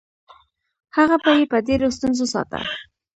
هغه به یې په ډېرو ستونزو ساته.